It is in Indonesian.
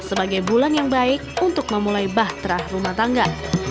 sebagai bulan yang baik untuk memulai bahtera rumah tangga